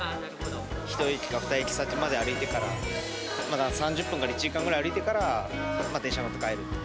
１駅か２駅先まで歩いてから、３０分から１時間ぐらい歩いてから電車乗って帰る。